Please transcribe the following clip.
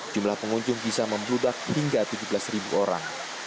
jumlah pengunjung bisa membludak hingga tujuh belas orang